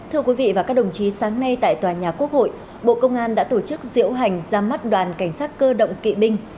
thưa quý vị và các đồng chí sáng nay tại tòa nhà quốc hội bộ công an đã tổ chức diễu hành ra mắt đoàn cảnh sát cơ động kỵ binh